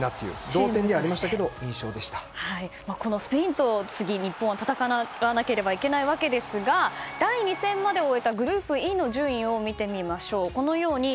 同点ではありましたがこのスペインと次、日本は戦わなくてはいけないわけですが第２戦まで終えたグループＥの順位を見てみましょう。